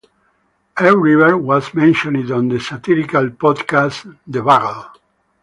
Elk River was mentioned on the satirical podcast The Bugle.